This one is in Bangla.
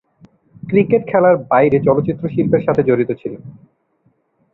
ক্রিকেট খেলার বাইরে চলচ্চিত্র শিল্পের সাথে জড়িত ছিলেন।